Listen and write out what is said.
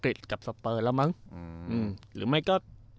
โอ้โห